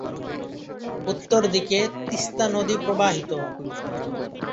উত্তর দিকে তিস্তা নদী প্রবাহিত।